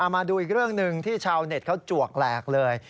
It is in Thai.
มาดูอีกเรื่องหนึ่งที่ชาวเน็ตเขาจวกแหลกเลย